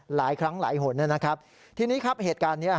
หลายครั้งหลายหนนะครับทีนี้ครับเหตุการณ์เนี้ย